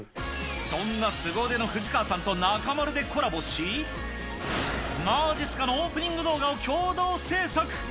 そんなすご腕の藤川さんと中丸でコラボし、まじっすかのオープニング動画を共同制作。